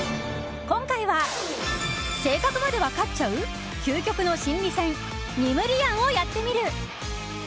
今回は、性格まで分かっちゃう究極の心理戦ニムリアンをやってみる。